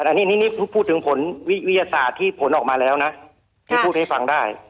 อันนี้นี่พูดถึงผลวิทยาศาสตร์ที่ผลออกมาแล้วนะนี่พูดให้ฟังได้